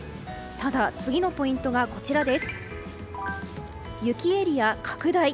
ただ、次のポイントが雪エリア拡大。